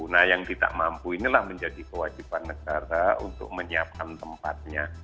nah yang tidak mampu inilah menjadi kewajiban negara untuk menyiapkan tempatnya